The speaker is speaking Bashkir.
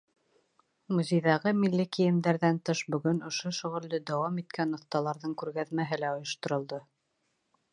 Музейҙағы милли кейемдәрҙән тыш, бөгөн ошо шөғөлдө дауам иткән оҫталарҙың күргәҙмәһе лә ойошторолдо.